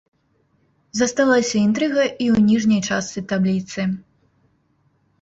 Засталася інтрыга і ў ніжняй частцы табліцы.